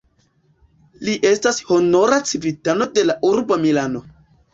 Li estas honora civitano de la urbo Milano.